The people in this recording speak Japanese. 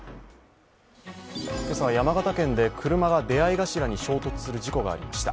今朝、山形県で車が出会い頭に衝突する事故がありました。